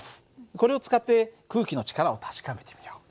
これを使って空気の力を確かめてみよう。